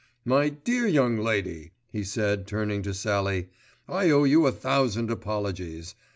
My dear young lady," he said, turning to Sallie, "I owe you a thousand apologies.